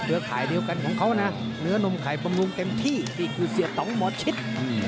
นั่นล่ะเดียวกันของเขาน่ะเนื้อนมไข่ประมลุงเต็มที่ที่คือเสียตำหมอชิดอืม